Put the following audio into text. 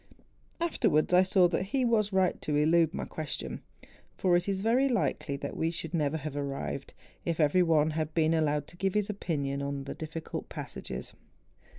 Afterwards I saw that he was right to elude my question; for it is very likely that we should never have arrived, if every one had been allowed to give his opinion on the difficult passages.